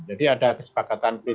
jadi ada kesepakatan pilihan